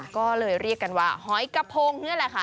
ก็เลยเรียกกันว่าหอยกระพงนี่แหละค่ะ